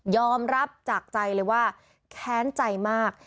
รับจากใจเลยว่าแค้นใจมาก